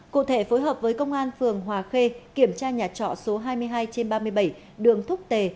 cụ thể phối hợp với công an phường hòa khê kiểm tra nhà trọ số hai mươi hai trên ba mươi bảy đường thúc tề